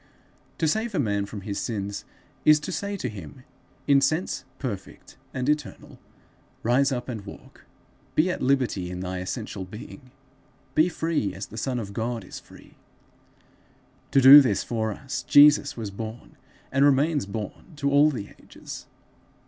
To save a man from his sins, is to say to him, in sense perfect and eternal, 'Rise up and walk. Be at liberty in thy essential being. Be free as the son of God is free.' To do this for us, Jesus was born, and remains born to all the ages.